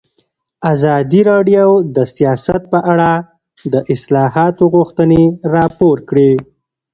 ازادي راډیو د سیاست په اړه د اصلاحاتو غوښتنې راپور کړې.